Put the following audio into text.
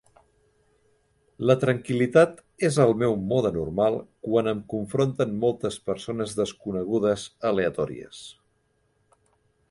La tranquil·litat és el meu mode normal quan em confronten moltes persones desconegudes aleatòries.